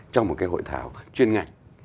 trong một cái hội thảo chuyên ngành